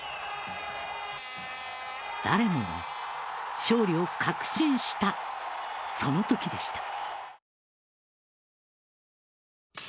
誰もが勝利を確信したその時でした。